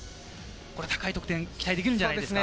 高い得点が期待できるんじゃないですか？